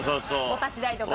お立ち台とか。